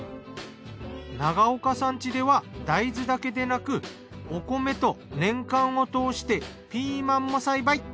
長岡さん家では大豆だけでなくお米と年間を通してピーマンも栽培。